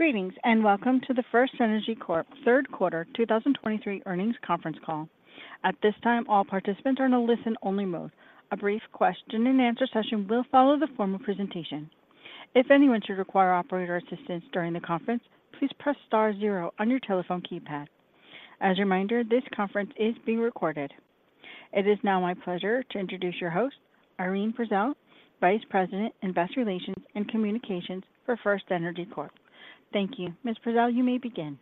Greetings, and welcome to the FirstEnergy Corp. third quarter 2023 earnings conference call. At this time, all participants are in a listen-only mode. A brief question-and-answer session will follow the formal presentation. If anyone should require operator assistance during the conference, please press star zero on your telephone keypad. As a reminder, this conference is being recorded. It is now my pleasure to introduce your host, Irene Prezelj, Vice President, Investor Relations and Communications for FirstEnergy Corp. Thank you. Ms. Prezelj, you may begin.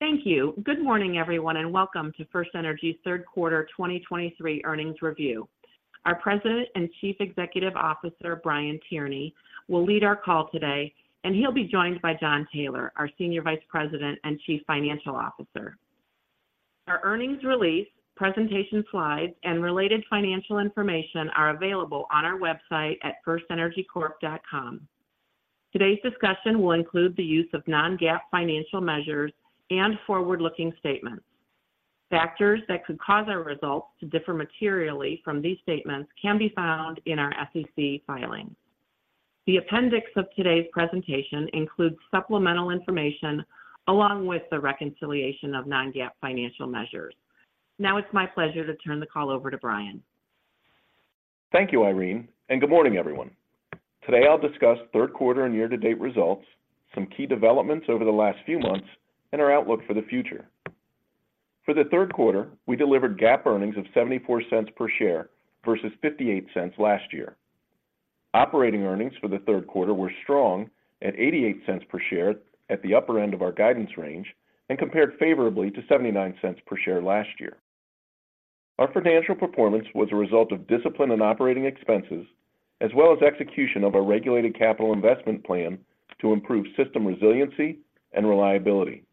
Thank you. Good morning, everyone, and welcome to FirstEnergy's third quarter 2023 earnings review. Our President and Chief Executive Officer, Brian Tierney, will lead our call today, and he'll be joined by Jon Taylor, our Senior Vice President and Chief Financial Officer. Our earnings release, presentation slides, and related financial information are available on our website at firstenergycorp.com. Today's discussion will include the use of non-GAAP financial measures and forward-looking statements. Factors that could cause our results to differ materially from these statements can be found in our SEC filings. The appendix of today's presentation includes supplemental information along with the reconciliation of non-GAAP financial measures. Now it's my pleasure to turn the call over to Brian. Thank you, Irene, and good morning, everyone. Today, I'll discuss third quarter and year-to-date results, some key developments over the last few months, and our outlook for the future. For the third quarter, we delivered GAAP earnings of $0.74 per share versus $0.58 last year. Operating earnings for the third quarter were strong at $0.88 per share at the upper end of our guidance range and compared favorably to $0.79 per share last year. Our financial performance was a result of discipline and operating expenses, as well as execution of our regulated capital investment plan to improve system resiliency and reliability.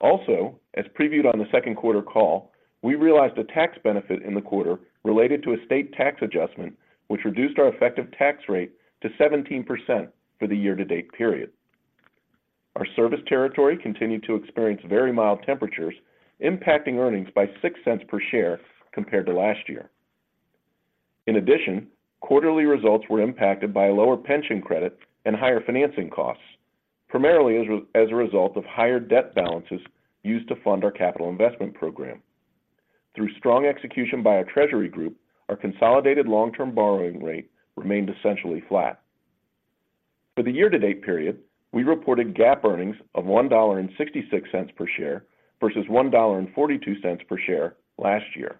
Also, as previewed on the second quarter call, we realized a tax benefit in the quarter related to a state tax adjustment, which reduced our effective tax rate to 17% for the year-to-date period. Our service territory continued to experience very mild temperatures, impacting earnings by $0.06 per share compared to last year. In addition, quarterly results were impacted by a lower pension credit and higher financing costs, primarily as a result of higher debt balances used to fund our capital investment program. Through strong execution by our treasury group, our consolidated long-term borrowing rate remained essentially flat. For the year-to-date period, we reported GAAP earnings of $1.66 per share versus $1.42 per share last year.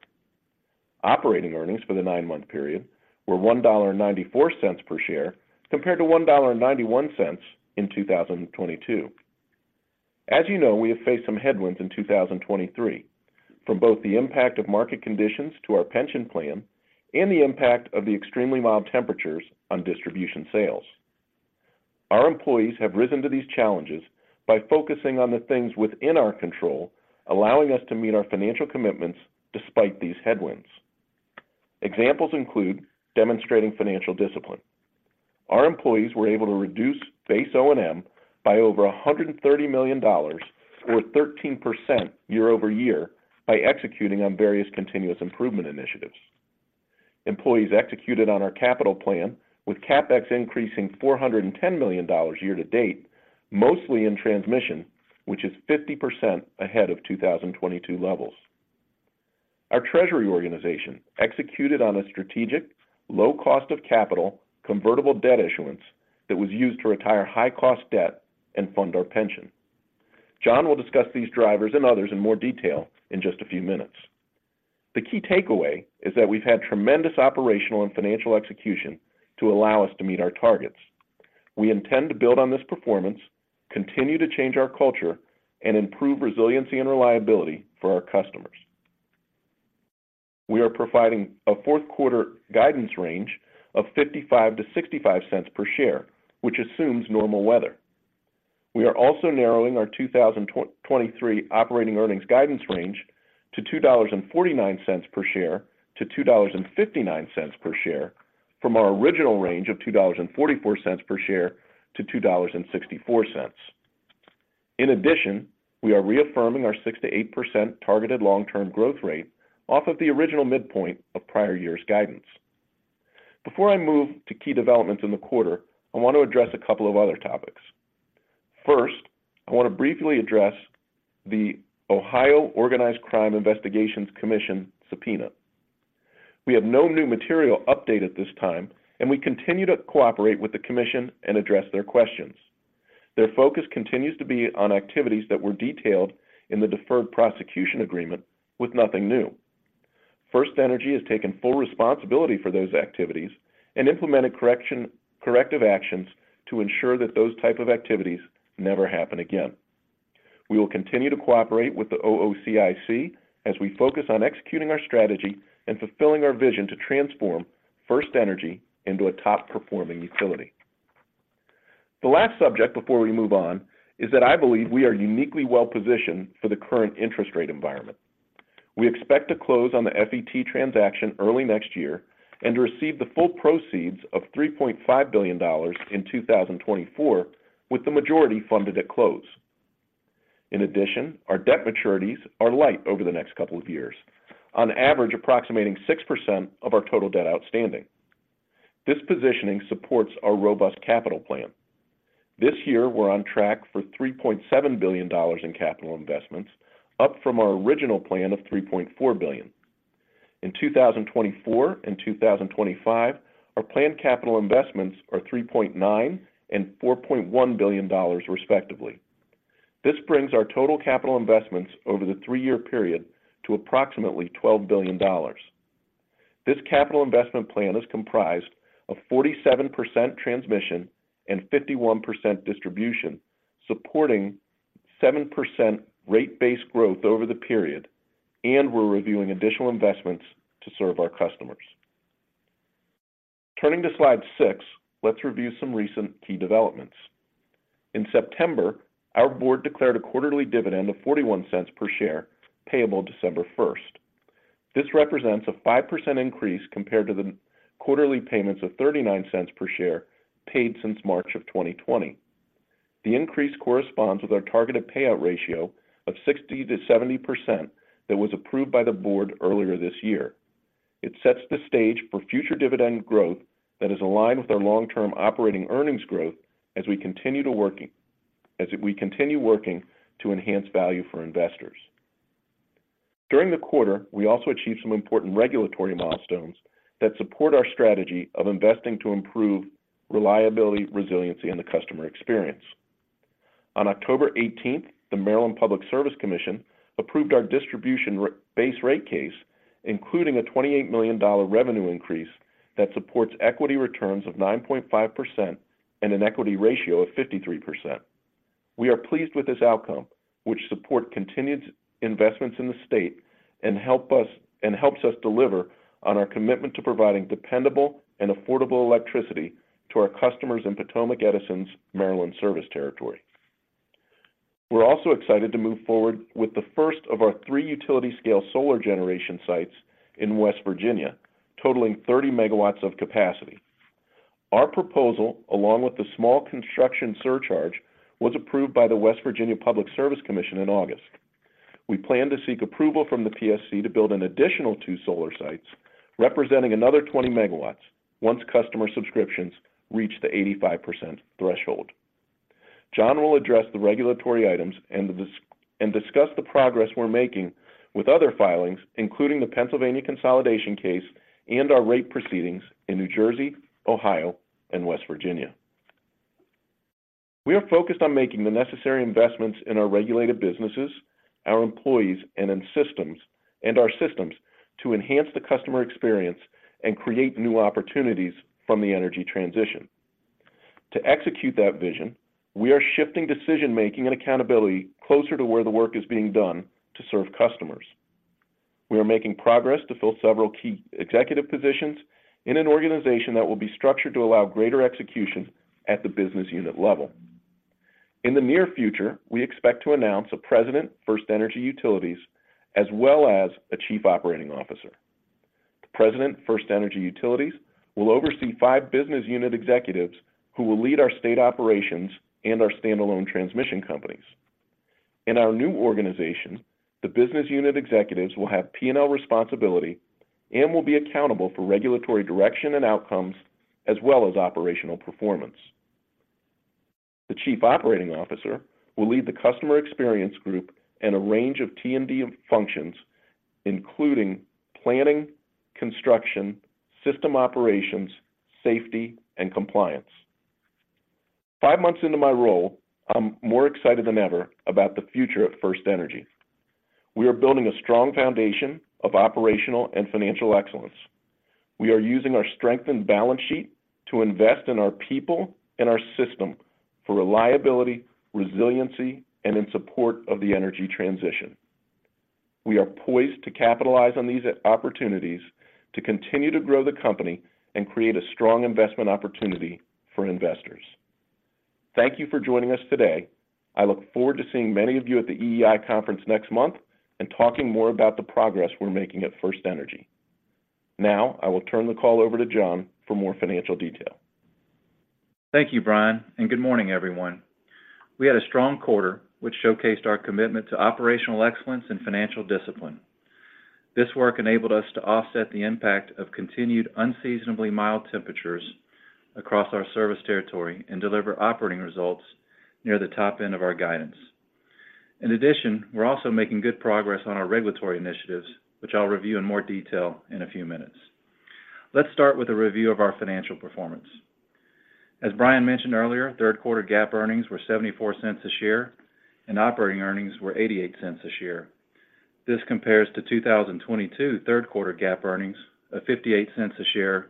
Operating earnings for the nine-month period were $1.94 per share, compared to $1.91 in 2022. As you know, we have faced some headwinds in 2023, from both the impact of market conditions to our pension plan and the impact of the extremely mild temperatures on distribution sales. Our employees have risen to these challenges by focusing on the things within our control, allowing us to meet our financial commitments despite these headwinds. Examples include demonstrating financial discipline. Our employees were able to reduce base O&M by over $130 million or 13% year-over-year by executing on various continuous improvement initiatives. Employees executed on our capital plan, with CapEx increasing $410 million year to date, mostly in transmission, which is 50% ahead of 2022 levels. Our treasury organization executed on a strategic, low cost of capital, convertible debt issuance that was used to retire high-cost debt and fund our pension. Jon will discuss these drivers and others in more detail in just a few minutes. The key takeaway is that we've had tremendous operational and financial execution to allow us to meet our targets. We intend to build on this performance, continue to change our culture, and improve resiliency and reliability for our customers. We are providing a fourth quarter guidance range of $0.55-$0.65 per share, which assumes normal weather. We are also narrowing our 2023 operating earnings guidance range to $2.49-$2.59 per share from our original range of $2.44-$2.64 per share. In addition, we are reaffirming our 6%-8% targeted long-term growth rate off of the original midpoint of prior year's guidance. Before I move to key developments in the quarter, I want to address a couple of other topics. First, I want to briefly address the Ohio Organized Crime Investigations Commission subpoena. We have no new material update at this time, and we continue to cooperate with the commission and address their questions. Their focus continues to be on activities that were detailed in the deferred prosecution agreement with nothing new. FirstEnergy has taken full responsibility for those activities and implemented corrective actions to ensure that those type of activities never happen again. We will continue to cooperate with the OOCIC as we focus on executing our strategy and fulfilling our vision to transform FirstEnergy into a top-performing utility. The last subject before we move on is that I believe we are uniquely well positioned for the current interest rate environment. We expect to close on the FET transaction early next year and to receive the full proceeds of $3.5 billion in 2024, with the majority funded at close. In addition, our debt maturities are light over the next couple of years, on average, approximating 6% of our total debt outstanding. This positioning supports our robust capital plan. This year, we're on track for $3.7 billion in capital investments, up from our original plan of $3.4 billion. In 2024 and 2025, our planned capital investments are $3.9 billion and $4.1 billion, respectively. This brings our total capital investments over the three-year period to approximately $12 billion. This capital investment plan is comprised of 47% transmission and 51% distribution, supporting 7% rate-based growth over the period, and we're reviewing additional investments to serve our customers. Turning to slide 6, let's review some recent key developments. In September, our board declared a quarterly dividend of $0.41 per share, payable December first. This represents a 5% increase compared to the quarterly payments of $0.39 per share paid since March of 2020. The increase corresponds with our targeted payout ratio of 60%-70% that was approved by the board earlier this year. It sets the stage for future dividend growth that is aligned with our long-term operating earnings growth as we continue working to enhance value for investors. During the quarter, we also achieved some important regulatory milestones that support our strategy of investing to improve reliability, resiliency, and the customer experience. On October 18, the Maryland Public Service Commission approved our distribution base rate case, including a $28 million revenue increase that supports equity returns of 9.5% and an equity ratio of 53%. We are pleased with this outcome, which supports continued investments in the state and helps us deliver on our commitment to providing dependable and affordable electricity to our customers in Potomac Edison's Maryland service territory. We're also excited to move forward with the first of our three utility-scale solar generation sites in West Virginia, totaling 30 MW of capacity. Our proposal, along with the small construction surcharge, was approved by the West Virginia Public Service Commission in August. We plan to seek approval from the PSC to build an additional two solar sites, representing another 20 MW, once customer subscriptions reach the 85% threshold. Jon will address the regulatory items and discuss the progress we're making with other filings, including the Pennsylvania consolidation case and our rate proceedings in New Jersey, Ohio, and West Virginia. We are focused on making the necessary investments in our regulated businesses, our employees, and in systems and our systems to enhance the customer experience and create new opportunities from the energy transition. To execute that vision, we are shifting decision-making and accountability closer to where the work is being done to serve customers. We are making progress to fill several key executive positions in an organization that will be structured to allow greater execution at the business unit level. In the near future, we expect to announce a President, FirstEnergy Utilities, as well as a Chief Operating Officer. The President, FirstEnergy Utilities, will oversee five business unit executives who will lead our state operations and our standalone transmission companies. In our new organization, the business unit executives will have P&L responsibility and will be accountable for regulatory direction and outcomes, as well as operational performance. The Chief Operating Officer will lead the customer experience group and a range of T&D functions, including planning, construction, system operations, safety, and compliance. Five months into my role, I'm more excited than ever about the future of FirstEnergy. We are building a strong foundation of operational and financial excellence. We are using our strengthened balance sheet to invest in our people and our system for reliability, resiliency, and in support of the energy transition. We are poised to capitalize on these opportunities to continue to grow the company and create a strong investment opportunity for investors. Thank you for joining us today. I look forward to seeing many of you at the EEI conference next month and talking more about the progress we're making at FirstEnergy. Now, I will turn the call over to Jon for more financial detail. Thank you, Brian, and good morning, everyone. We had a strong quarter, which showcased our commitment to operational excellence and financial discipline. This work enabled us to offset the impact of continued unseasonably mild temperatures across our service territory and deliver operating results near the top end of our guidance. In addition, we're also making good progress on our regulatory initiatives, which I'll review in more detail in a few minutes. Let's start with a review of our financial performance. As Brian mentioned earlier, third quarter GAAP earnings were $0.74 a share, and operating earnings were $0.88 a share. This compares to 2022 third quarter GAAP earnings of $0.58 a share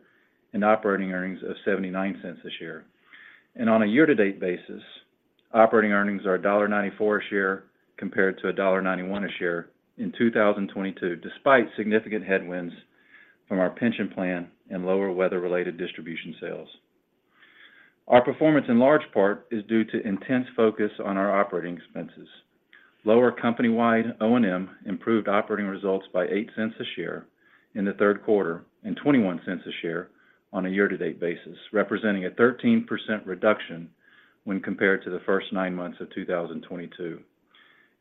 and operating earnings of $0.79 a share. On a year-to-date basis, operating earnings are $1.94 a share compared to $1.91 a share in 2022, despite significant headwinds from our pension plan and lower weather-related distribution sales. Our performance, in large part, is due to intense focus on our operating expenses. Lower company-wide O&M improved operating results by $0.08 a share in the third quarter and $0.21 a share on a year-to-date basis, representing a 13% reduction when compared to the first nine months of 2022.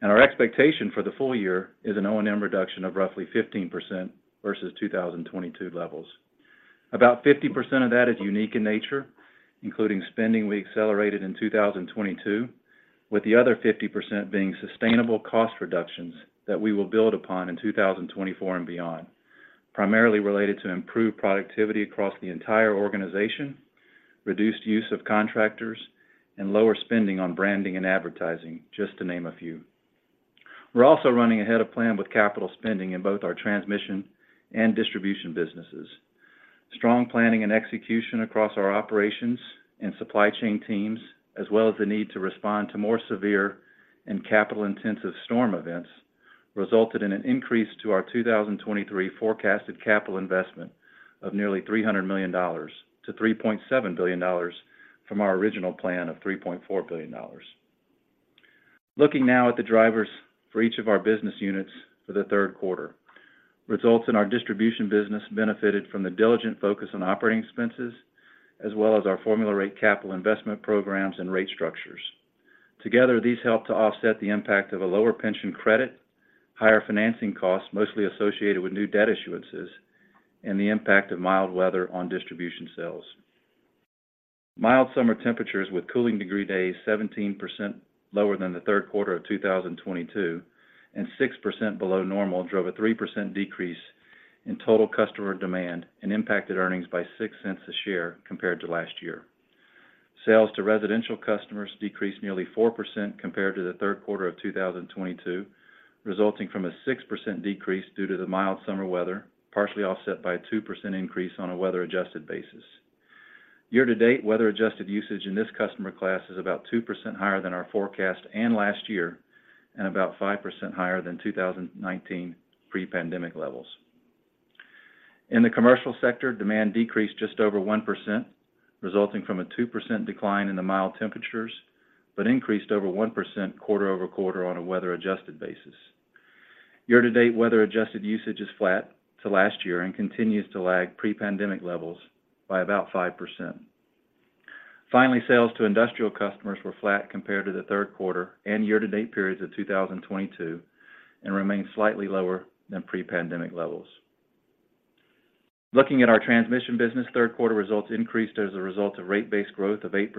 Our expectation for the full year is an O&M reduction of roughly 15% versus 2022 levels. About 50% of that is unique in nature, including spending we accelerated in 2022, with the other 50% being sustainable cost reductions that we will build upon in 2024 and beyond, primarily related to improved productivity across the entire organization, reduced use of contractors, and lower spending on branding and advertising, just to name a few. We're also running ahead of plan with capital spending in both our transmission and distribution businesses. Strong planning and execution across our operations and supply chain teams, as well as the need to respond to more severe and capital-intensive storm events, resulted in an increase to our 2023 forecasted capital investment of nearly $300 million to $3.7 billion from our original plan of $3.4 billion. Looking now at the drivers for each of our business units for the third quarter. Results in our distribution business benefited from the diligent focus on operating expenses, as well as our formula rate capital investment programs and rate structures. Together, these helped to offset the impact of a lower pension credit, higher financing costs, mostly associated with new debt issuances, and the impact of mild weather on distribution sales. Mild summer temperatures with cooling degree days, 17% lower than the third quarter of 2022, and 6% below normal, drove a 3% decrease in total customer demand and impacted earnings by $0.06 a share compared to last year. Sales to residential customers decreased nearly 4% compared to the third quarter of 2022, resulting from a 6% decrease due to the mild summer weather, partially offset by a 2% increase on a weather-adjusted basis. Year-to-date, weather-adjusted usage in this customer class is about 2% higher than our forecast and last year, and about 5% higher than 2019 pre-pandemic levels. In the commercial sector, demand decreased just over 1%, resulting from a 2% decline in the mild temperatures, but increased over 1% quarter-over-quarter on a weather-adjusted basis. Year-to-date, weather-adjusted usage is flat to last year and continues to lag pre-pandemic levels by about 5%. Finally, sales to industrial customers were flat compared to the third quarter and year-to-date periods of 2022, and remain slightly lower than pre-pandemic levels. Looking at our transmission business, third quarter results increased as a result of rate-based growth of 8%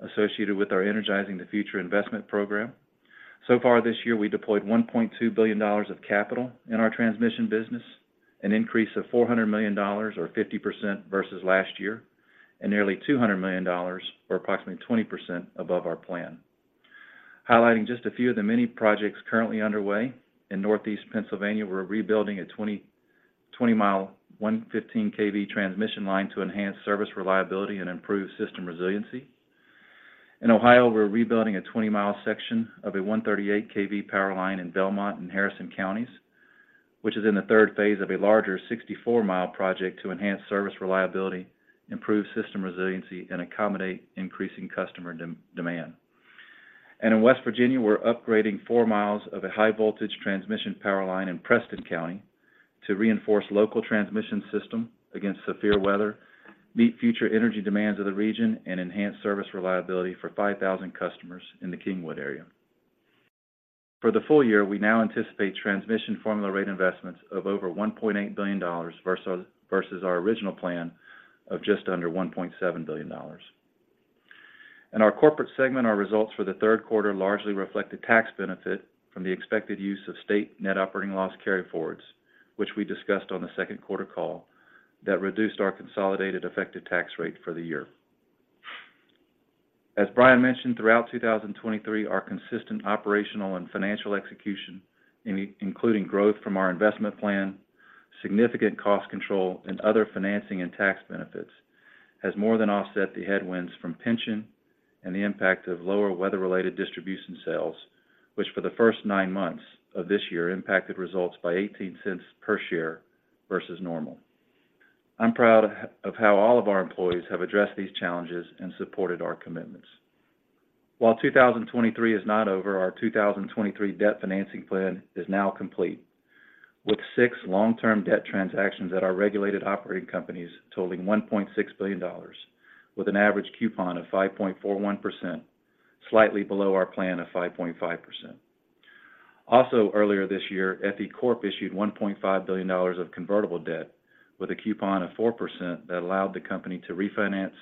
associated with our Energizing the Future investment program. So far this year, we deployed $1.2 billion of capital in our transmission business, an increase of $400 million or 50% versus last year, and nearly $200 million, or approximately 20% above our plan. Highlighting just a few of the many projects currently underway, in Northeast Pennsylvania, we're rebuilding a 20-mi 115 kV transmission line to enhance service reliability and improve system resiliency. In Ohio, we're rebuilding a 20-mi section of a 138 kV power line in Belmont and Harrison counties, which is in the third phase of a larger 64-mi project to enhance service reliability, improve system resiliency, and accommodate increasing customer demand. In West Virginia, we're upgrading 4 mi of a high voltage transmission power line in Preston County to reinforce local transmission system against severe weather, meet future energy demands of the region, and enhance service reliability for 5,000 customers in the Kingwood area. For the full year, we now anticipate transmission formula rate investments of over $1.8 billion versus our original plan of just under $1.7 billion. In our corporate segment, our results for the third quarter largely reflect the tax benefit from the expected use of state net operating loss carryforwards, which we discussed on the second quarter call, that reduced our consolidated effective tax rate for the year. As Brian mentioned, throughout 2023, our consistent operational and financial execution, including growth from our investment plan, significant cost control, and other financing and tax benefits, has more than offset the headwinds from pension and the impact of lower weather-related distribution sales, which for the first nine months of this year, impacted results by $0.18 per share versus normal. I'm proud of how all of our employees have addressed these challenges and supported our commitments. While 2023 is not over, our 2023 debt financing plan is now complete, with six long-term debt transactions at our regulated operating companies totaling $1.6 billion, with an average coupon of 5.41%, slightly below our plan of 5.5%. Also, earlier this year, FE Corp issued $1.5 billion of convertible debt with a coupon of 4% that allowed the company to refinance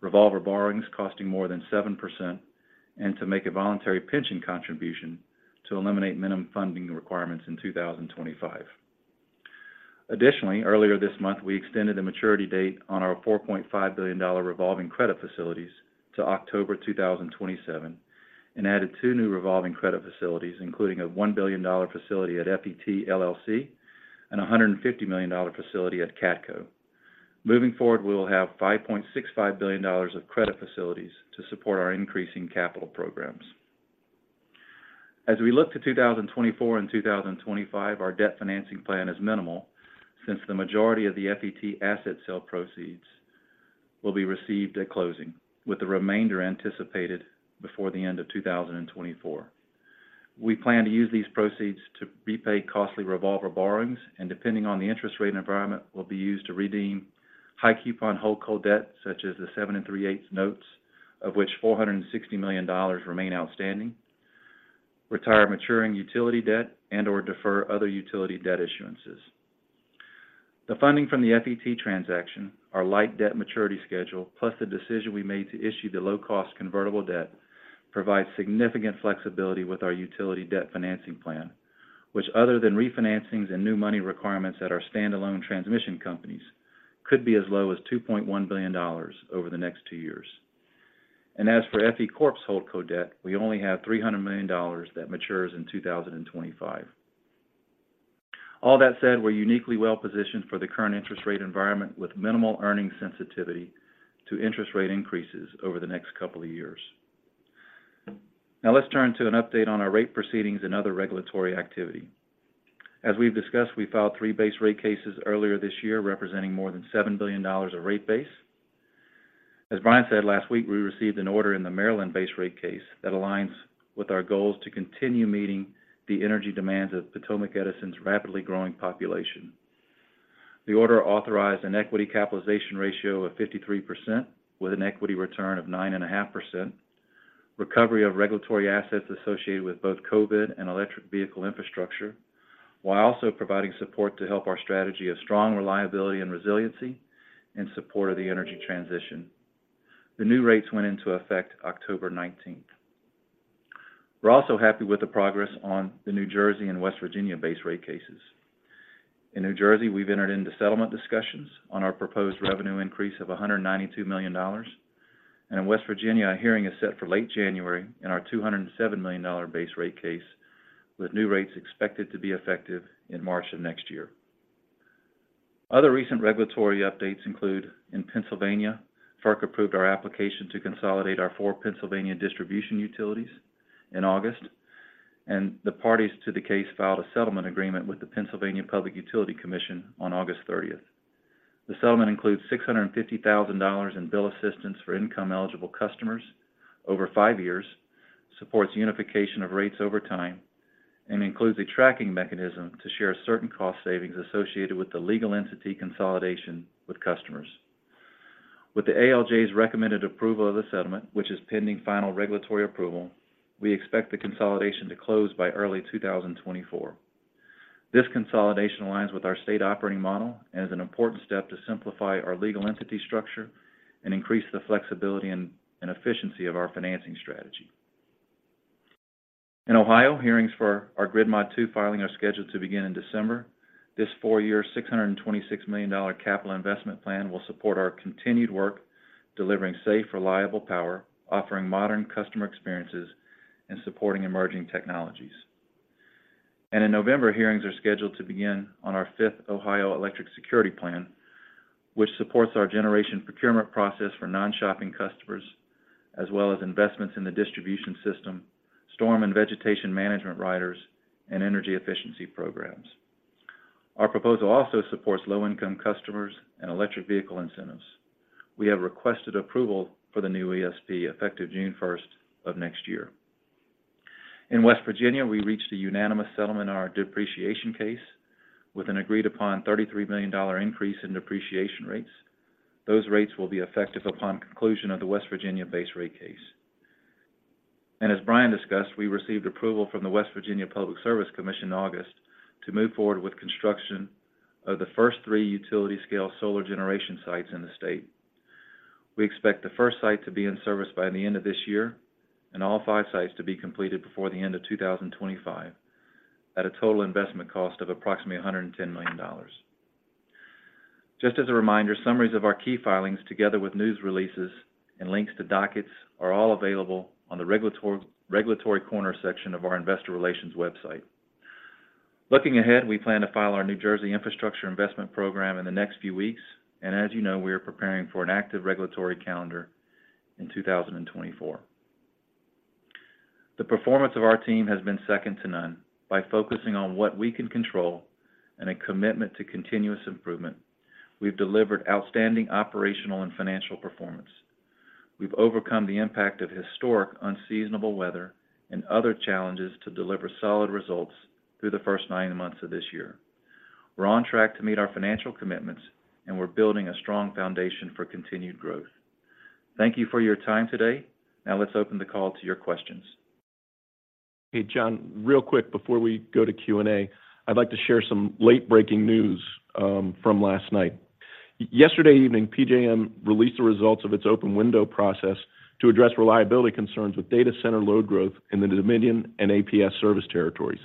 revolver borrowings costing more than 7%, and to make a voluntary pension contribution to eliminate minimum funding requirements in 2025. Additionally, earlier this month, we extended the maturity date on our $4.5 billion revolving credit facilities to October 2027, and added two new revolving credit facilities, including a $1 billion facility at FET, LLC, and a $150 million facility at Catco. Moving forward, we will have $5.65 billion of credit facilities to support our increasing capital programs. As we look to 2024 and 2025, our debt financing plan is minimal, since the majority of the FET asset sale proceeds will be received at closing, with the remainder anticipated before the end of 2024. We plan to use these proceeds to repay costly revolver borrowings, and depending on the interest rate environment, will be used to redeem high-coupon holdco debt, such as the 7 3/8 notes, of which $460 million remain outstanding, retire maturing utility debt, and/or defer other utility debt issuances. The funding from the FET transaction, our light debt maturity schedule, plus the decision we made to issue the low-cost convertible debt, provides significant flexibility with our utility debt financing plan, which other than refinancings and new money requirements at our standalone transmission companies, could be as low as $2.1 billion over the next two years. As for FE Corp's holdco debt, we only have $300 million that matures in 2025. All that said, we're uniquely well-positioned for the current interest rate environment, with minimal earnings sensitivity to interest rate increases over the next couple of years. Now let's turn to an update on our rate proceedings and other regulatory activity. As we've discussed, we filed 3 base rate cases earlier this year, representing more than $7 billion of rate base. As Brian said last week, we received an order in the Maryland base rate case that aligns with our goals to continue meeting the energy demands of Potomac Edison's rapidly growing population. The order authorized an equity capitalization ratio of 53%, with an equity return of 9.5%, recovery of regulatory assets associated with both COVID and electric vehicle infrastructure, while also providing support to help our strategy of strong reliability and resiliency in support of the energy transition. The new rates went into effect October 19. We're also happy with the progress on the New Jersey and West Virginia base rate cases. In New Jersey, we've entered into settlement discussions on our proposed revenue increase of $192 million, and in West Virginia, a hearing is set for late January in our $207 million base rate case, with new rates expected to be effective in March of next year. Other recent regulatory updates include: in Pennsylvania, FERC approved our application to consolidate our four Pennsylvania distribution utilities in August, and the parties to the case filed a settlement agreement with the Pennsylvania Public Utility Commission on August 30. The settlement includes $650,000 in bill assistance for income-eligible customers over five years, supports unification of rates over time, and includes a tracking mechanism to share certain cost savings associated with the legal entity consolidation with customers. With the ALJ's recommended approval of the settlement, which is pending final regulatory approval, we expect the consolidation to close by early 2024. This consolidation aligns with our state operating model and is an important step to simplify our legal entity structure and increase the flexibility and efficiency of our financing strategy. In Ohio, hearings for our Grid Mod 2 filing are scheduled to begin in December. This four-year, $626 million capital investment plan will support our continued work, delivering safe, reliable power, offering modern customer experiences, and supporting emerging technologies. In November, hearings are scheduled to begin on our fifth Ohio Electric Security Plan, which supports our generation procurement process for non-shopping customers, as well as investments in the distribution system, storm and vegetation management riders, and energy efficiency programs. Our proposal also supports low-income customers and electric vehicle incentives. We have requested approval for the new ESP, effective June first of next year. In West Virginia, we reached a unanimous settlement on our depreciation case with an agreed-upon $33 million increase in depreciation rates. Those rates will be effective upon conclusion of the West Virginia base rate case. As Brian discussed, we received approval from the West Virginia Public Service Commission in August to move forward with construction of the first three utility-scale solar generation sites in the state. We expect the first site to be in service by the end of this year, and all five sites to be completed before the end of 2025, at a total investment cost of approximately $110 million. Just as a reminder, summaries of our key filings, together with news releases and links to dockets, are all available on the Regulatory Corner section of our investor relations website. Looking ahead, we plan to file our New Jersey infrastructure investment program in the next few weeks, and as you know, we are preparing for an active regulatory calendar in 2024. The performance of our team has been second to none. By focusing on what we can control and a commitment to continuous improvement, we've delivered outstanding operational and financial performance. We've overcome the impact of historic unseasonable weather and other challenges to deliver solid results through the first nine months of this year. We're on track to meet our financial commitments, and we're building a strong foundation for continued growth. Thank you for your time today. Now, let's open the call to your questions. Hey, Jon, real quick, before we go to Q&A, I'd like to share some late-breaking news from last night. Yesterday evening, PJM released the results of its open window process to address reliability concerns with data center load growth in the Dominion and APS service territories.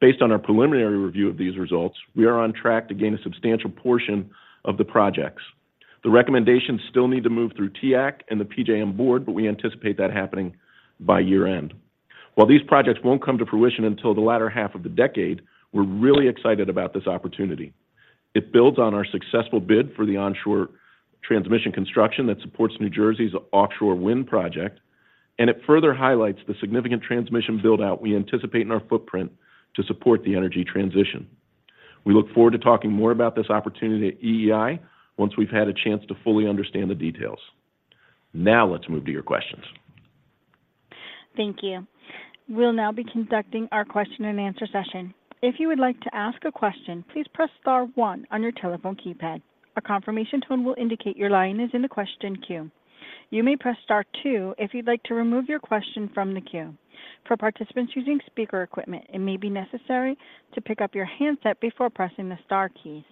Based on our preliminary review of these results, we are on track to gain a substantial portion of the projects. The recommendations still need to move through TEAC and the PJM board, but we anticipate that happening by year-end. While these projects won't come to fruition until the latter half of the decade, we're really excited about this opportunity. It builds on our successful bid for the onshore transmission construction that supports New Jersey's offshore wind project, and it further highlights the significant transmission build-out we anticipate in our footprint to support the energy transition.... We look forward to talking more about this opportunity at EEI once we've had a chance to fully understand the details. Now let's move to your questions. Thank you. We'll now be conducting our question-and-answer session. If you would like to ask a question, please press star one on your telephone keypad. A confirmation tone will indicate your line is in the question queue. You may press star two if you'd like to remove your question from the queue. For participants using speaker equipment, it may be necessary to pick up your handset before pressing the star keys.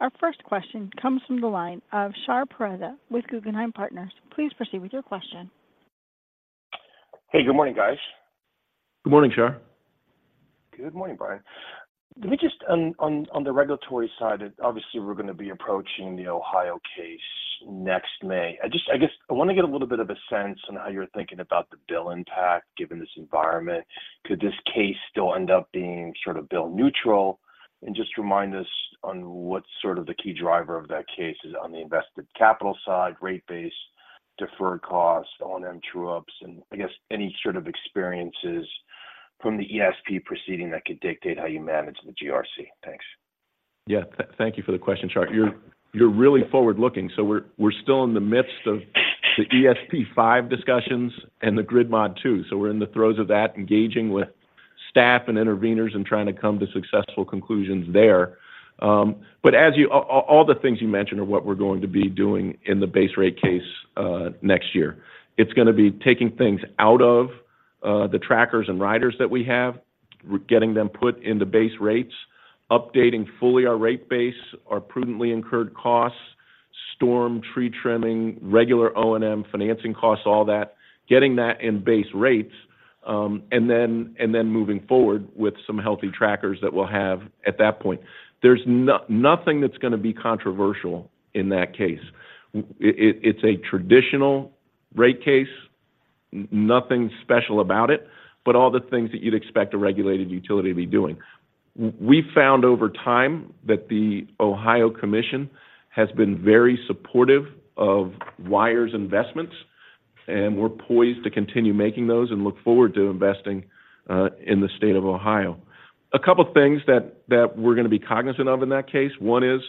Our first question comes from the line of Shar Pourreza with Guggenheim Partners. Please proceed with your question. Hey, good morning, guys. Good morning, Shar. Good morning, Brian. Let me just on the regulatory side, obviously, we're going to be approaching the Ohio case next May. I just—I guess I want to get a little bit of a sense on how you're thinking about the bill impact, given this environment. Could this case still end up being sort of bill neutral? And just remind us on what's sort of the key driver of that case is on the invested capital side, rate base, deferred costs, O&M true-ups, and I guess any sort of experiences from the ESP proceeding that could dictate how you manage the GRC. Thanks. Yeah, thank you for the question, Shar. You're really forward-looking, so we're still in the midst of the ESP 5 discussions and the Grid Mod 2. So we're in the throes of that, engaging with staff and interveners and trying to come to successful conclusions there. But as you all, the things you mentioned are what we're going to be doing in the base rate case next year. It's going to be taking things out of the trackers and riders that we have, we're getting them put in the base rates, updating fully our rate base, our prudently incurred costs, storm, tree trimming, regular O&M, financing costs, all that, getting that in base rates, and then moving forward with some healthy trackers that we'll have at that point. There's nothing that's going to be controversial in that case. It’s a traditional rate case, nothing special about it, but all the things that you’d expect a regulated utility to be doing. We’ve found over time that the Ohio Commission has been very supportive of wires investments, and we’re poised to continue making those and look forward to investing in the state of Ohio. A couple of things that we’re going to be cognizant of in that case. One is,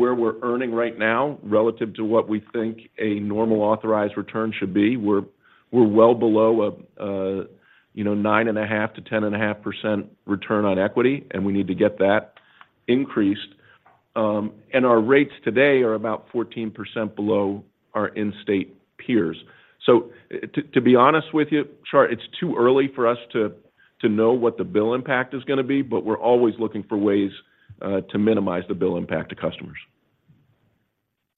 where we’re earning right now relative to what we think a normal authorized return should be. We’re well below a 9.5%-10.5% return on equity, and we need to get that increased. And our rates today are about 14% below our in-state peers. So, to be honest with you, Shar, it's too early for us to know what the bill impact is going to be, but we're always looking for ways to minimize the bill impact to customers.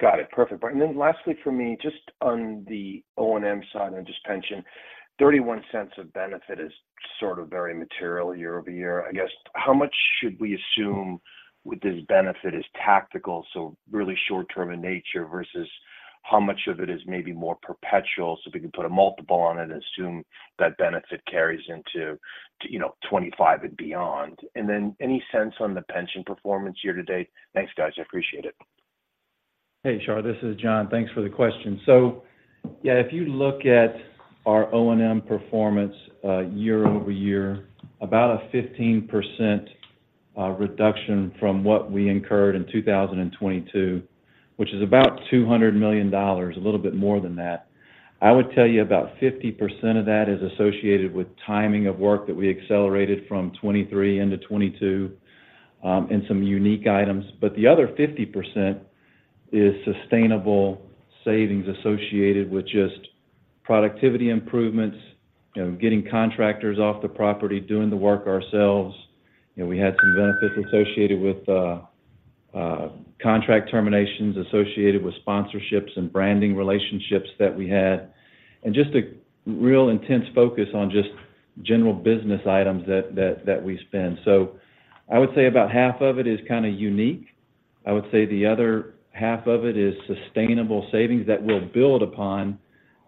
Got it. Perfect. Brian, and then lastly for me, just on the O&M side and just pension, $0.31 of benefit is sort of very material year-over-year. I guess, how much should we assume with this benefit is tactical, so really short-term in nature, versus how much of it is maybe more perpetual? So we can put a multiple on it and assume that benefit carries into you know, 25 and beyond. And then any sense on the pension performance year-to-date? Thanks, guys. I appreciate it. Hey, Shar, this is Jon. Thanks for the question. So yeah, if you look at our O&M performance year-over-year, about a 15% reduction from what we incurred in 2022, which is about $200 million, a little bit more than that. I would tell you about 50% of that is associated with timing of work that we accelerated from 2023 into 2022 and some unique items. But the other 50% is sustainable savings associated with just productivity improvements, getting contractors off the property, doing the work ourselves. You know, we had some benefits associated with contract terminations, associated with sponsorships and branding relationships that we had, and just a real intense focus on just general business items that we spend. So I would say about half of it is kind of unique. I would say the other half of it is sustainable savings that we'll build upon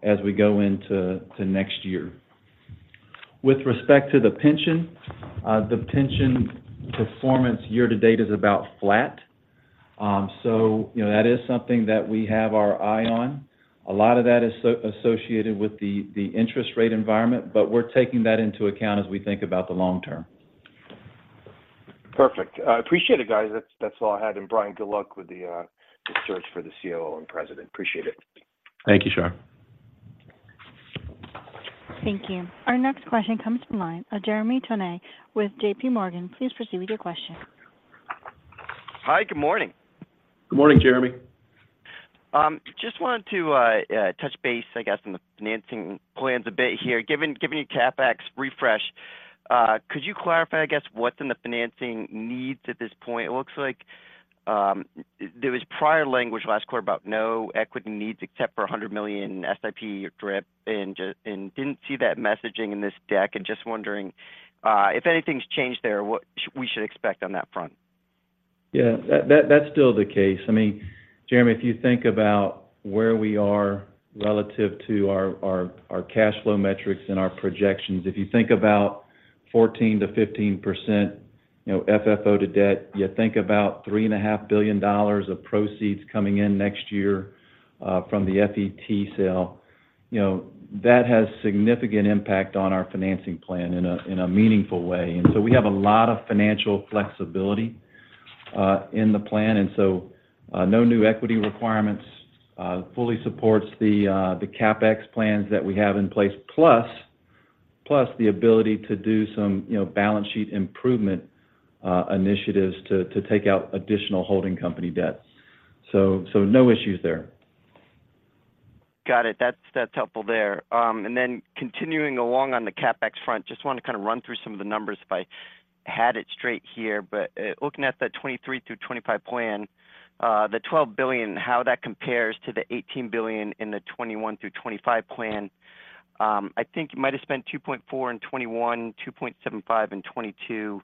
as we go into, to next year. With respect to the pension, the pension performance year to date is about flat. So, you know, that is something that we have our eye on. A lot of that is associated with the interest rate environment, but we're taking that into account as we think about the long term. Perfect. I appreciate it, guys. That's, that's all I had. And Brian, good luck with the, the search for the COO and President. Appreciate it. Thank you, Shar. Thank you. Our next question comes from the line of Jeremy Tonet with J.P. Morgan. Please proceed with your question. Hi, good morning. Good morning, Jeremy. Just wanted to touch base, I guess, on the financing plans a bit here. Given, giving you CapEx refresh, could you clarify, I guess, what's in the financing needs at this point? It looks like there was prior language last quarter about no equity needs except for $100 million SIP DRIP, and didn't see that messaging in this deck. I'm just wondering if anything's changed there, what we should expect on that front? Yeah, that's still the case. I mean, Jeremy, if you think about where we are relative to our cash flow metrics and our projections, if you think about 14%-15%, you know, FFO to debt, you think about $3.5 billion of proceeds coming in next year from the FET sale. You know, that has significant impact on our financing plan in a meaningful way. So we have a lot of financial flexibility in the plan. So no new equity requirements fully supports the CapEx plans that we have in place, plus the ability to do some, you know, balance sheet improvement initiatives to take out additional holding company debt. So no issues there. Got it. That's helpful there. And then continuing along on the CapEx front, just want to kind of run through some of the numbers if I had it straight here. But looking at that 2023-2025 plan, the $12 billion, how that compares to the $18 billion in the 2021-2025 plan. I think you might have spent $2.4 billion in 2021, $2.75 billion in 2022, and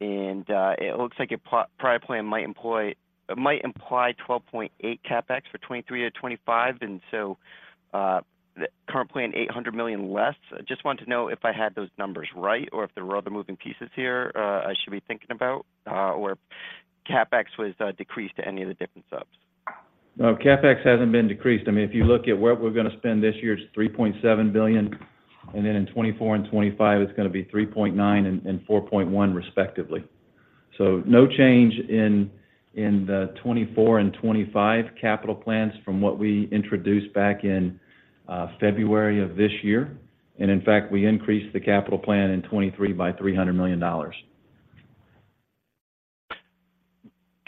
it looks like your prior plan might imply $12.8 billion CapEx for 2023-2025, and so the current plan, $800 million less. I just want to know if I had those numbers right, or if there were other moving pieces here I should be thinking about, or CapEx was decreased to any of the different subs. No, CapEx hasn't been decreased. I mean, if you look at what we're going to spend this year, it's $3.7 billion, and then in 2024 and 2025, it's going to be $3.9 billion and $4.1 billion, respectively. So no change in the 2024 and 2025 capital plans from what we introduced back in February of this year. And in fact, we increased the capital plan in 2023 by $300 million.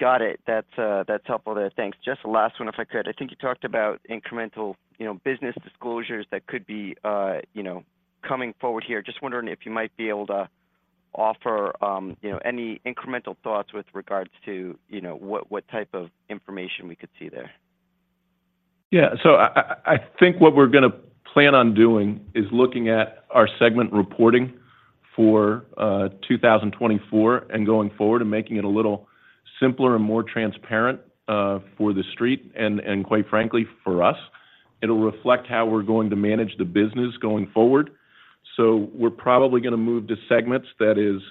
Got it. That's, that's helpful there. Thanks. Just the last one, if I could. I think you talked about incremental, you know, business disclosures that could be, you know, coming forward here. Just wondering if you might be able to offer, you know, any incremental thoughts with regards to, you know, what, what type of information we could see there? Yeah, so I think what we're going to plan on doing is looking at our segment reporting for 2024 and going forward, and making it a little simpler and more transparent for the street and, quite frankly, for us. It'll reflect how we're going to manage the business going forward. So we're probably going to move to segments, that is,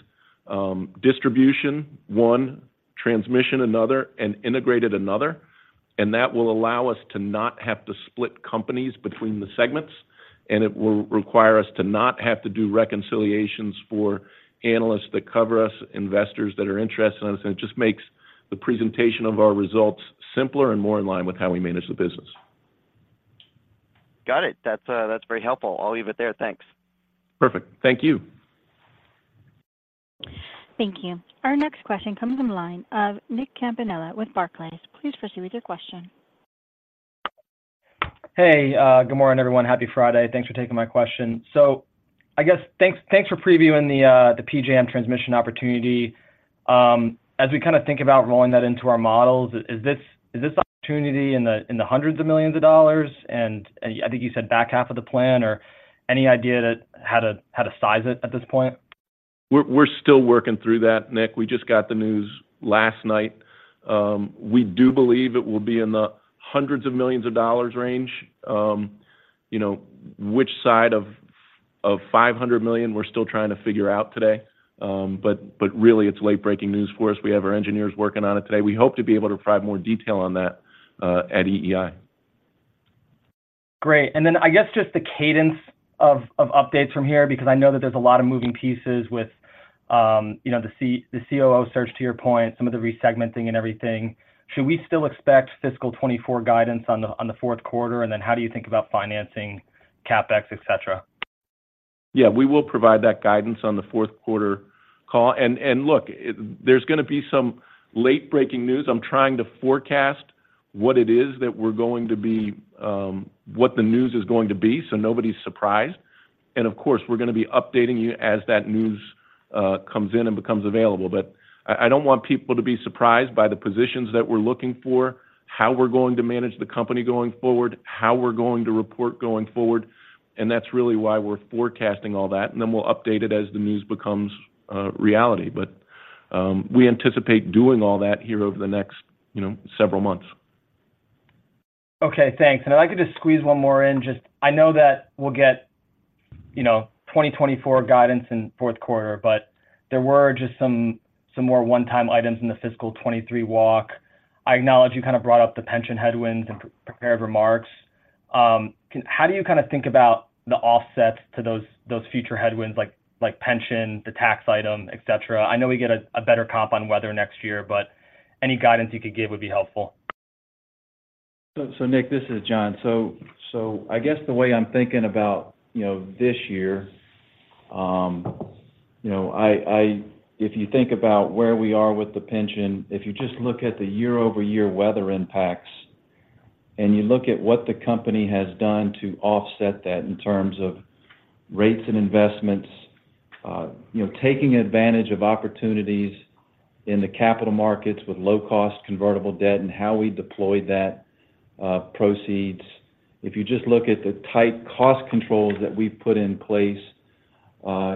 distribution, one, transmission, another, and integrated, another. And that will allow us to not have to split companies between the segments, and it will require us to not have to do reconciliations for analysts that cover us, investors that are interested in us, and it just makes the presentation of our results simpler and more in line with how we manage the business. Got it. That's, that's very helpful. I'll leave it there. Thanks. Perfect. Thank you. Thank you. Our next question comes from the line of Nick Campanella with Barclays. Please proceed with your question. Hey, good morning, everyone. Happy Friday. Thanks for taking my question. So I guess thanks, thanks for previewing the, the PJM transmission opportunity. As we kind of think about rolling that into our models, is this, is this opportunity in the, in the hundreds of millions of dollars? And, and I think you said back half of the plan, or any idea to how to, how to size it at this point? We're still working through that, Nick. We just got the news last night. We do believe it will be in the hundreds of millions of dollars range. You know, which side of $500 million, we're still trying to figure out today. Really, it's late-breaking news for us. We have our engineers working on it today. We hope to be able to provide more detail on that at EEI. Great. And then I guess just the cadence of updates from here, because I know that there's a lot of moving pieces with, you know, the COO search, to your point, some of the re-segmenting and everything. Should we still expect fiscal 2024 guidance on the fourth quarter? And then how do you think about financing CapEx, et cetera? Yeah, we will provide that guidance on the fourth quarter call. And, and look, it, there's going to be some late-breaking news. I'm trying to forecast what it is that we're going to be, what the news is going to be, so nobody's surprised. And of course, we're going to be updating you as that news comes in and becomes available. But I, I don't want people to be surprised by the positions that we're looking for, how we're going to manage the company going forward, how we're going to report going forward, and that's really why we're forecasting all that. And then we'll update it as the news becomes reality. But, we anticipate doing all that here over the next, you know, several months. Okay, thanks. If I could just squeeze one more in, just I know that we'll get, you know, 2024 guidance in fourth quarter, but there were just some more one-time items in the fiscal 2023 walk. I acknowledge you kind of brought up the pension headwinds in prepared remarks. How do you kind of think about the offsets to those future headwinds, like pension, the tax item, et cetera? I know we get a better comp on weather next year, but any guidance you could give would be helpful. So, Nick, this is Jon. So, I guess the way I'm thinking about, you know, this year, you know, if you think about where we are with the pension, if you just look at the year-over-year weather impacts, and you look at what the company has done to offset that in terms of rates and investments, you know, taking advantage of opportunities in the capital markets with low-cost convertible debt and how we deployed that proceeds, if you just look at the tight cost controls that we've put in place,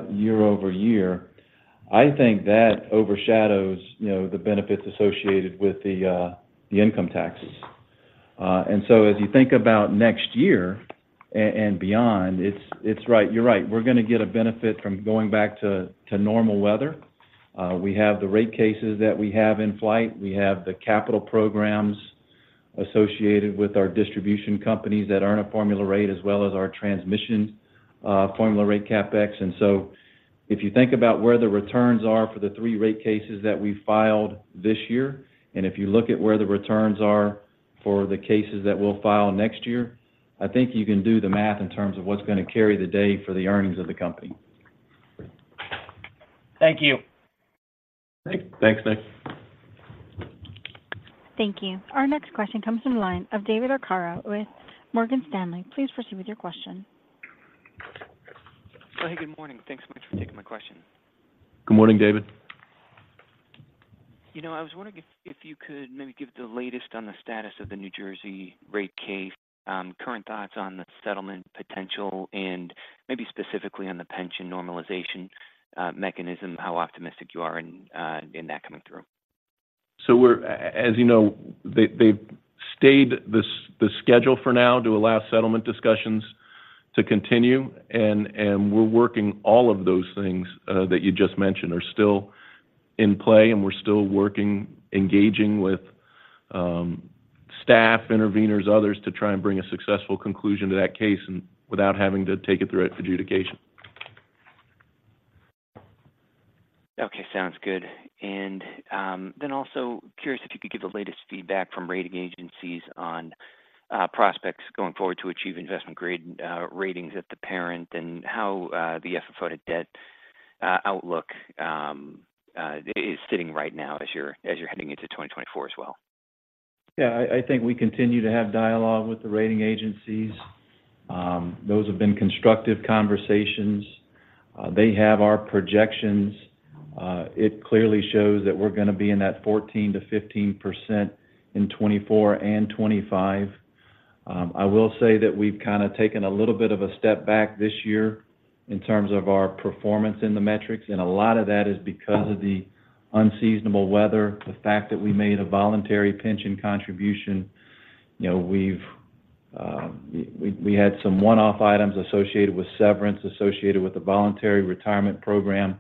year over year, I think that overshadows, you know, the benefits associated with the income taxes. And so as you think about next year and beyond, it's right. You're right. We're going to get a benefit from going back to normal weather.... We have the rate cases that we have in flight. We have the capital programs associated with our distribution companies that aren't a formula rate, as well as our transmission, formula rate CapEx. And so if you think about where the returns are for the three rate cases that we filed this year, and if you look at where the returns are for the cases that we'll file next year, I think you can do the math in terms of what's going to carry the day for the earnings of the company. Thank you. Thanks, Nick. Thank you. Our next question comes from the line of David Arcaro with Morgan Stanley. Please proceed with your question. Hey, good morning. Thanks so much for taking my question. Good morning, David. You know, I was wondering if, if you could maybe give the latest on the status of the New Jersey rate case, current thoughts on the settlement potential, and maybe specifically on the pension normalization mechanism, how optimistic you are in, in that coming through? So we're, as you know, they've stayed the schedule for now to allow settlement discussions to continue, and we're working all of those things that you just mentioned are still in play, and we're still working, engaging with staff, interveners, others, to try and bring a successful conclusion to that case and without having to take it through adjudication. Okay, sounds good. And then also curious if you could give the latest feedback from rating agencies on prospects going forward to achieve investment-grade ratings at the parent and how the FFO-to-debt outlook is sitting right now as you're heading into 2024 as well? Yeah, I think we continue to have dialogue with the rating agencies. Those have been constructive conversations. They have our projections. It clearly shows that we're gonna be in that 14%-15% in 2024 and 2025. I will say that we've kind of taken a little bit of a step back this year in terms of our performance in the metrics, and a lot of that is because of the unseasonable weather, the fact that we made a voluntary pension contribution. You know, we had some one-off items associated with severance, associated with the voluntary retirement program.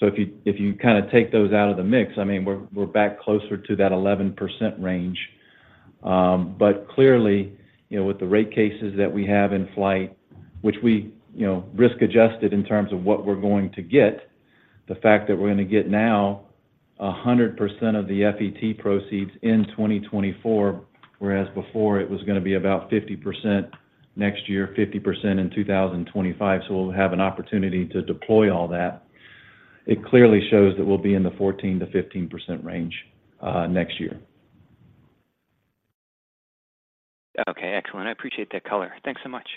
So if you kind of take those out of the mix, I mean, we're back closer to that 11% range. But clearly, you know, with the rate cases that we have in flight, which we, you know, risk-adjusted in terms of what we're going to get, the fact that we're gonna get now 100% of the FET proceeds in 2024, whereas before it was gonna be about 50% next year, 50% in 2025, so we'll have an opportunity to deploy all that. It clearly shows that we'll be in the 14%-15% range next year. Okay, excellent. I appreciate that color. Thanks so much.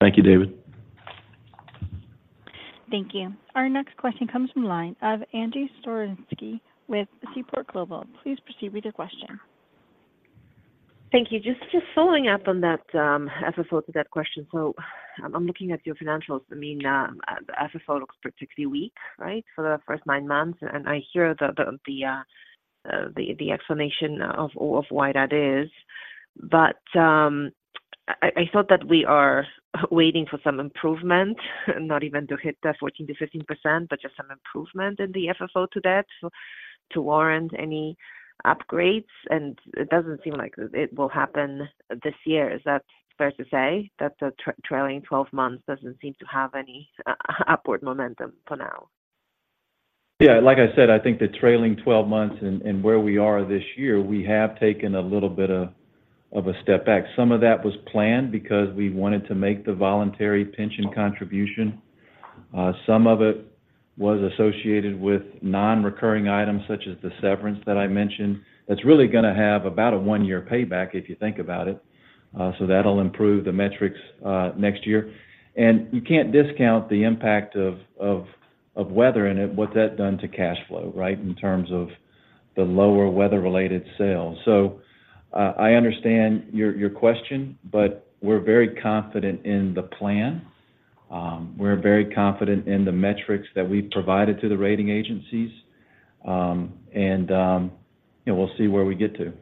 Thank you, David. Thank you. Our next question comes from the line of Angie Storozynski with Seaport Global. Please proceed with your question. Thank you. Just following up on that, FFO to debt question. So I'm looking at your financials. I mean, FFO looks particularly weak, right? For the first nine months, and I hear the explanation of why that is. But I thought that we are waiting for some improvement, not even to hit the 14%-15%, but just some improvement in the FFO to debt to warrant any upgrades, and it doesn't seem like it will happen this year. Is that fair to say, that the trailing twelve months doesn't seem to have any upward momentum for now? Yeah, like I said, I think the trailing twelve months and where we are this year, we have taken a little bit of a step back. Some of that was planned because we wanted to make the voluntary pension contribution. Some of it was associated with non-recurring items, such as the severance that I mentioned. That's really gonna have about a one-year payback, if you think about it, so that'll improve the metrics next year. And you can't discount the impact of weather and it, what that done to cash flow, right, in terms of the lower weather-related sales. So I understand your question, but we're very confident in the plan. We're very confident in the metrics that we've provided to the rating agencies, and you know, we'll see where we get to.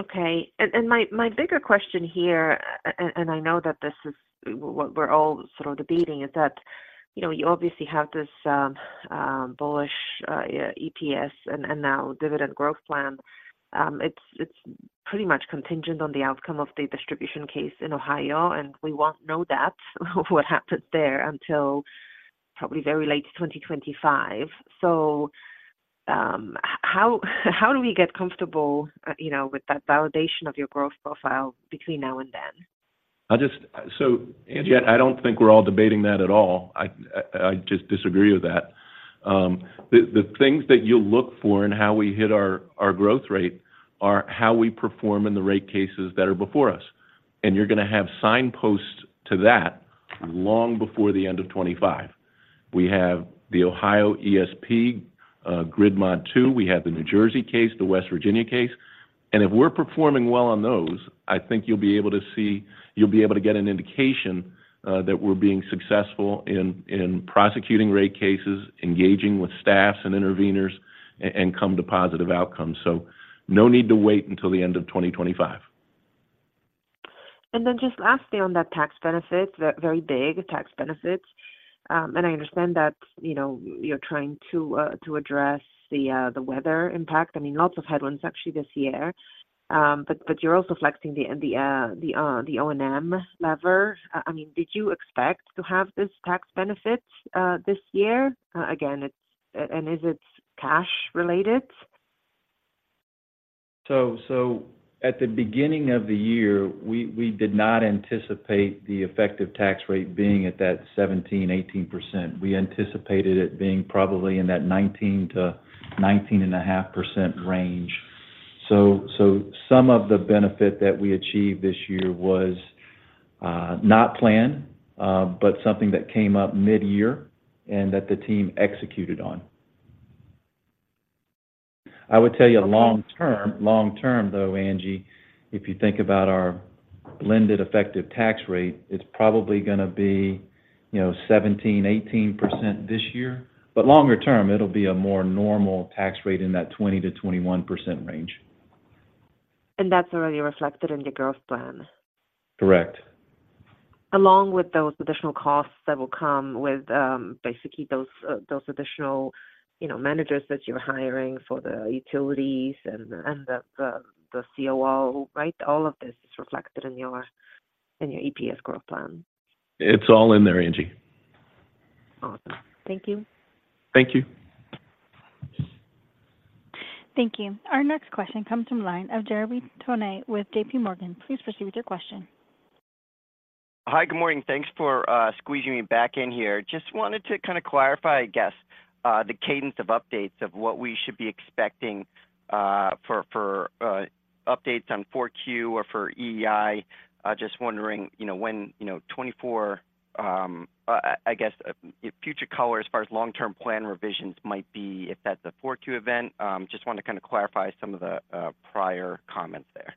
Okay. And my bigger question here, and I know that this is what we're all sort of debating, is that, you know, you obviously have this bullish EPS and now dividend growth plan. It's pretty much contingent on the outcome of the distribution case in Ohio, and we won't know what happens there until probably very late 2025. So, how do we get comfortable, you know, with that validation of your growth profile between now and then? I just. So, Angie, I don't think we're all debating that at all. I just disagree with that. The things that you look for in how we hit our growth rate are how we perform in the rate cases that are before us, and you're gonna have signposts to that long before the end of 2025. We have the Ohio ESP, Grid Mod 2, we have the New Jersey case, the West Virginia case, and if we're performing well on those, I think you'll be able to see. You'll be able to get an indication that we're being successful in prosecuting rate cases, engaging with staffs and interveners, and come to positive outcomes. So no need to wait until the end of 2025. And then just lastly, on that tax benefit, very big tax benefits. And I understand that, you know, you're trying to address the weather impact. I mean, lots of headwinds actually this year. But you're also flexing the O&M lever. I mean, did you expect to have this tax benefit this year? Again, it's -- and is it cash related? So at the beginning of the year, we did not anticipate the effective tax rate being at that 17%-18%. We anticipated it being probably in that 19%-19.5% range. So some of the benefit that we achieved this year was not planned, but something that came up mid-year and that the team executed on. I would tell you long term, long term, though, Angie, if you think about our blended effective tax rate, it's probably going to be, you know, 17%-18% this year, but longer term, it'll be a more normal tax rate in that 20%-21% range. That's already reflected in your growth plan? Correct. Along with those additional costs that will come with basically those additional, you know, managers that you're hiring for the utilities and the COL, right? All of this is reflected in your EPS growth plan. It's all in there, Angie. Awesome. Thank you. Thank you. Thank you. Our next question comes from line of Jeremy Tonet with J.P. Morgan. Please proceed with your question. Hi, good morning. Thanks for squeezing me back in here. Just wanted to kind of clarify, I guess, the cadence of updates of what we should be expecting for updates on 4Q or for EEI. Just wondering, you know, when, you know, 2024, I guess, future color as far as long-term plan revisions might be, if that's a 4Q event. Just want to kind of clarify some of the prior comments there.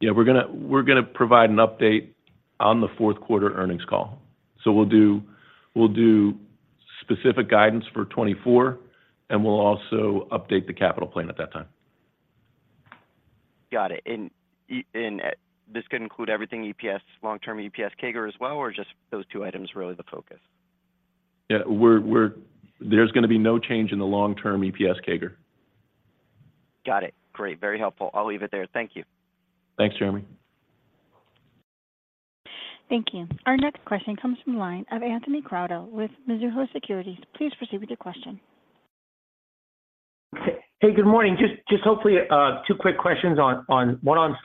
Yeah, we're going to provide an update on the fourth quarter earnings call. We'll do specific guidance for 2024, and we'll also update the capital plan at that time. Got it. And, this could include everything EPS, long-term EPS CAGR as well, or just those two items are really the focus? Yeah, there's going to be no change in the long-term EPS CAGR. Got it. Great, very helpful. I'll leave it there. Thank you. Thanks, Jeremy. Thank you. Our next question comes from line of Anthony Crowdell with Mizuho Securities. Please proceed with your question. Hey, good morning. Just hopefully two quick questions on one on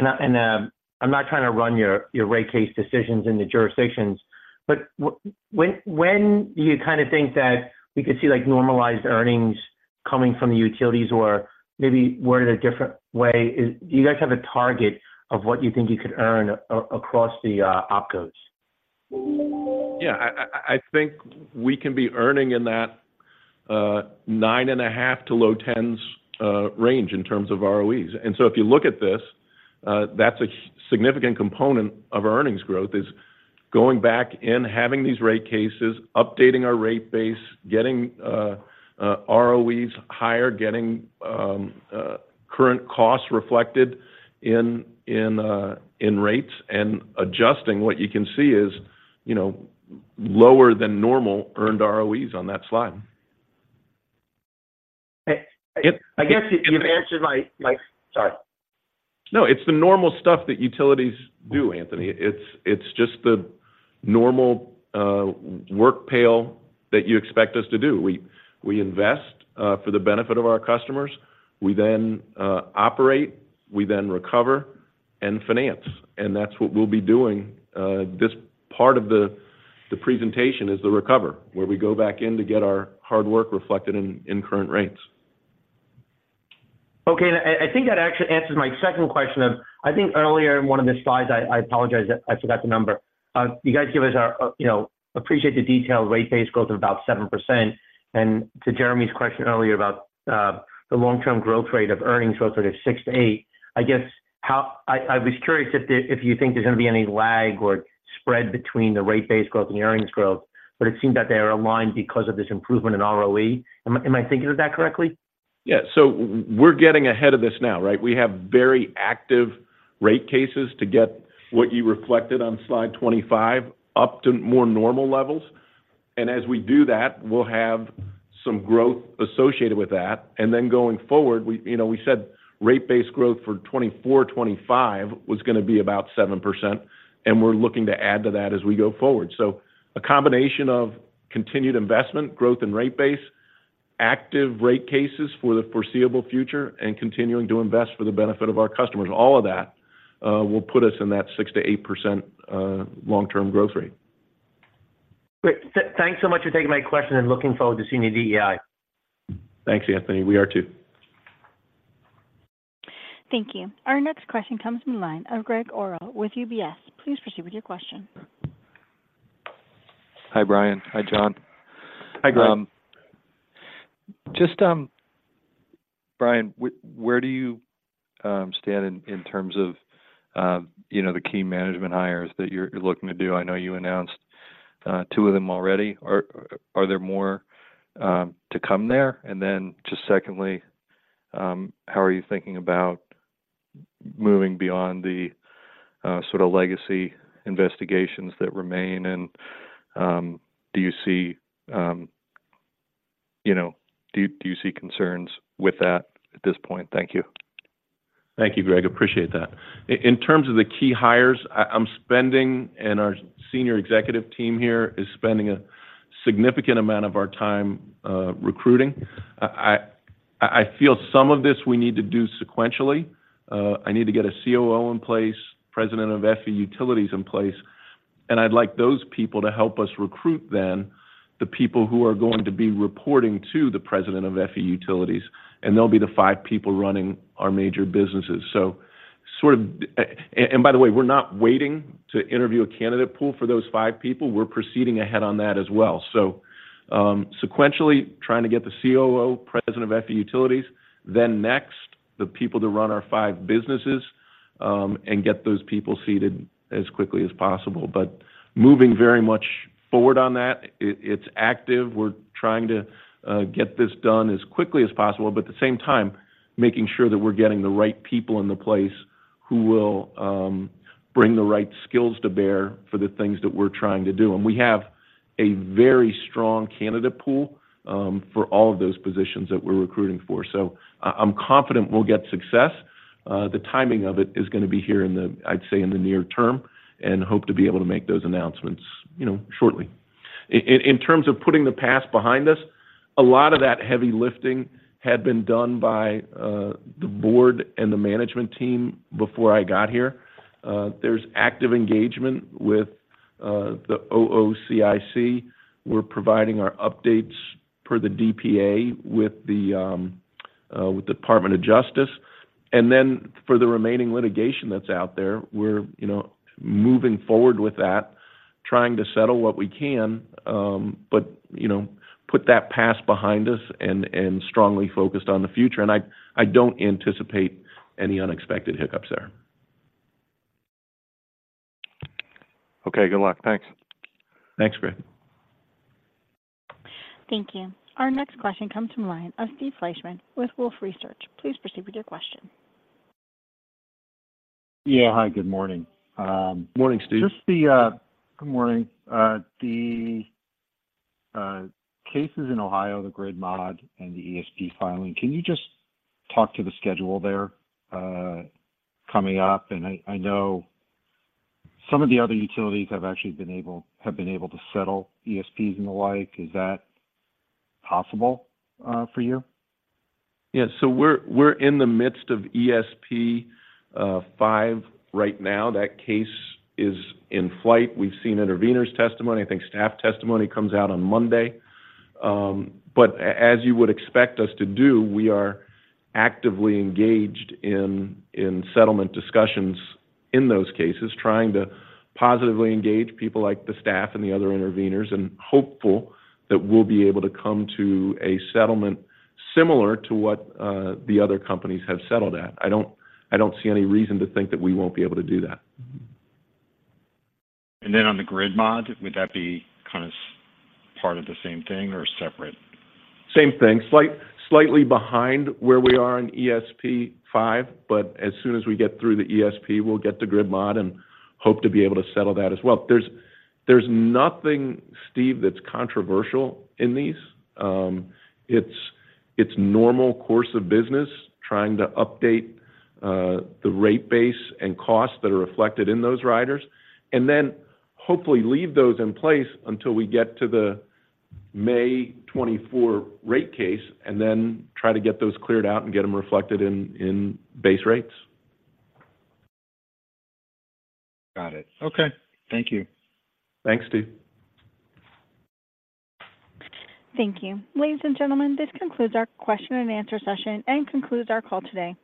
slide 25. And I'm not trying to run your rate case decisions in the jurisdictions, but when do you kind of think that we could see, like, normalized earnings coming from the utilities? Or maybe word it a different way, do you guys have a target of what you think you could earn across the OPCOs? Yeah, I think we can be earning in that 9.5%-low 10s range in terms of ROEs. So if you look at this, that's a significant component of earnings growth, is going back and having these rate cases, updating our rate base, getting ROEs higher, getting current costs reflected in rates, and adjusting what you can see is, you know, lower than normal earned ROEs on that slide. I guess you've answered my... Sorry. No, it's the normal stuff that utilities do, Anthony. It's just the normal workload that you expect us to do. We invest for the benefit of our customers. We then operate, we then recover and finance, and that's what we'll be doing. This part of the presentation is the recovery, where we go back in to get our hard work reflected in current rates. Okay, and I think that actually answers my second question. I think earlier in one of the slides, I apologize, I forgot the number. You guys give us, you know, appreciate the detailed rate base growth of about 7%. And to Jeremy's question earlier about the long-term growth rate of earnings growth rate of 6%-8%, I guess, how I was curious if there, if you think there's going to be any lag or spread between the rate base growth and earnings growth, but it seems that they are aligned because of this improvement in ROE. Am I thinking of that correctly? Yeah. So we're getting ahead of this now, right? We have very active rate cases to get what you reflected on slide 25 up to more normal levels. And as we do that, we'll have some growth associated with that. And then going forward, we, you know, we said Rate Base growth for 2024, 2025 was going to be about 7%, and we're looking to add to that as we go forward. So a combination of continued investment growth and Rate Base, active rate cases for the foreseeable future, and continuing to invest for the benefit of our customers. All of that will put us in that 6%-8% long-term growth rate. Great. Thanks so much for taking my question and looking forward to seeing you at EEI. Thanks, Anthony. We are too. Thank you. Our next question comes from the line of Gregg Orrill with UBS. Please proceed with your question. Hi, Brian. Hi, Jon. Hi, Gregg. Just, Brian, where do you stand in terms of, you know, the key management hires that you're looking to do? I know you announced two of them already. Are there more to come there? And then just secondly, how are you thinking about moving beyond the sort of legacy investigations that remain? And do you see, you know, do you see concerns with that at this point? Thank you. Thank you, Gregg. Appreciate that. In terms of the key hires, I'm spending, and our senior executive team here is spending a significant amount of our time recruiting. I feel some of this we need to do sequentially. I need to get a COO in place, president of FE Utilities in place, and I'd like those people to help us recruit then the people who are going to be reporting to the president of FE Utilities, and they'll be the five people running our major businesses. So by the way, we're not waiting to interview a candidate pool for those five people. We're proceeding ahead on that as well. So, sequentially, trying to get the COO, president of FE Utilities, then next, the people to run our five businesses, and get those people seated as quickly as possible. But moving very much forward on that, it's active. We're trying to get this done as quickly as possible, but at the same time, making sure that we're getting the right people into place who will bring the right skills to bear for the things that we're trying to do. We have a very strong candidate pool for all of those positions that we're recruiting for. So I'm confident we'll get success. The timing of it is gonna be here in the, I'd say, in the near term, and hope to be able to make those announcements, you know, shortly. In terms of putting the past behind us, a lot of that heavy lifting had been done by the board and the management team before I got here. There's active engagement with the OOCIC. We're providing our updates per the DPA with the Department of Justice. And then for the remaining litigation that's out there, we're, you know, moving forward with that, trying to settle what we can, but, you know, put that past behind us and strongly focused on the future. And I don't anticipate any unexpected hiccups there. Okay, good luck. Thanks. Thanks, Greg. Thank you. Our next question comes from the line of Steve Fleishman with Wolfe Research. Please proceed with your question. Yeah. Hi, good morning. Morning, Steve. Good morning. The cases in Ohio, the Grid Mod and the ESP filing, can you just talk to the schedule there, coming up? And I know some of the other utilities have actually been able to settle ESPs and the like. Is that possible, for you? Yeah, so we're in the midst of ESP 5 right now. That case is in flight. We've seen intervenors testimony. I think staff testimony comes out on Monday. But as you would expect us to do, we are actively engaged in settlement discussions in those cases, trying to positively engage people like the staff and the other intervenors, and hopeful that we'll be able to come to a settlement similar to what the other companies have settled at. I don't see any reason to think that we won't be able to do that. And then on the Grid Mod, would that be kind of part of the same thing or separate? Same thing. Slightly behind where we are in ESP 5, but as soon as we get through the ESP, we'll get to Grid Mod and hope to be able to settle that as well. There's nothing, Steve, that's controversial in these. It's normal course of business, trying to update the rate base and costs that are reflected in those riders, and then hopefully leave those in place until we get to the May 2024 rate case, and then try to get those cleared out and get them reflected in base rates. Got it. Okay. Thank you. Thanks, Steve. Thank you. Ladies and gentlemen, this concludes our question and answer session and concludes our call today.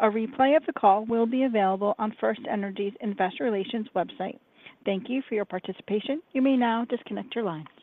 A replay of the call will be available on FirstEnergy's Investor Relations website. Thank you for your participation. You may now disconnect your line.